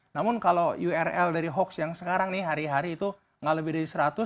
namun kalau url dari hoax yang sekarang nih hari hari itu nggak lebih dari seratus